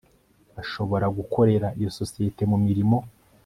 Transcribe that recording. bashobora gukorera iyo sosiyete mu mirimo